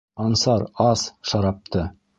Ансар, ас шарапты!